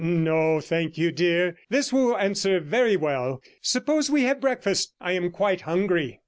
'No, thank you, dear; this will answer very well. Suppose we have breakfast; I am quite hungry.'